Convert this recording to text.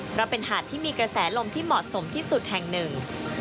เพราะเป็นหาดที่มีกระแสลมที่เหมาะสมที่สุดแห่งหนึ่ง